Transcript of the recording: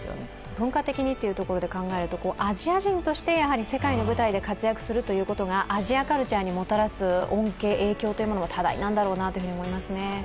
文化的にというところで考えると、アジア人として世界の舞台で活躍するということがアジアカルチャーにもたらす恩恵、影響も多大なんだろうなと思いますね。